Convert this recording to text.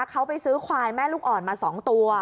เขาไปซื้อควายแม่ลูกอ่อนมา๒ตัว